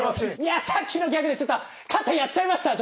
さっきのギャグでちょっと肩やっちゃいました。